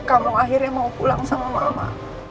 kamu akhirnya mau pulang sama mama